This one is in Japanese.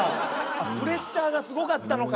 プレッシャーがすごかったのか。